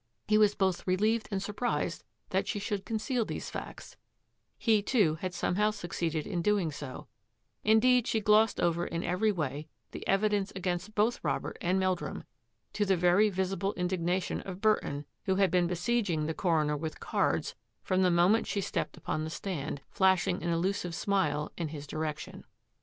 He was both relieved and surprised that she should conceal these facts — he, too, had somehow suc ceeded in doing so ; indeed she glossed over in every way the evidence against both Robert and Mel drum, to the very visible indignation of Burton, who had been besieging the coroner with cards from the moment she stepped upon the stand, flashing an elusive smile in his direction.